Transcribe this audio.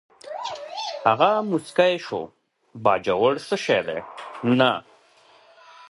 هغه موسکی شو: باجوړ څه شی دی، نه.